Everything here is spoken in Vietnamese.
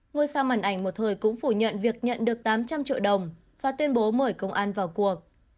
ngôi sao màn ảnh một thời cũng phủ nhận việc nhận được tám trăm linh triệu đồng và tuyên bố mời công an vào cuộc